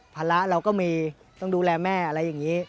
ภาระเราก็มีต้องดูแลแม่อะไรอย่างนี้